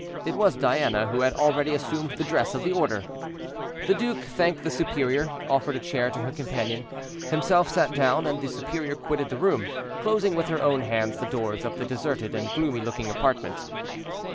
It was Diana, who had already assumed the dress of the order. The duke thanked the superior, offered a chair to her companion, himself sat down, and the superior quitted the room, closing with her own hands the doors of the deserted and gloomy looking apartment.